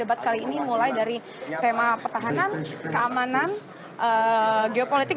dan ia sudah meyakini bahwa pengalaman atau penyelamatannya tidak akan menyerang